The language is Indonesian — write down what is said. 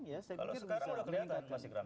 kalau sekarang sudah kelihatan mas ikram